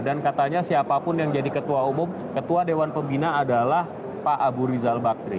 dan katanya siapapun yang jadi ketua umum ketua dewan pembina adalah pak abu rizal bakri